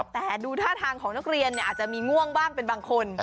แต่ดูท่าทางของนักเรียนอาจจะมีง่วงบ้างเป็นบางคน